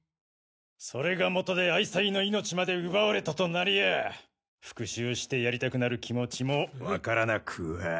それが元で愛妻の命まで奪われたとなりゃあ復讐してやりたくなる気持ちもわからなくは。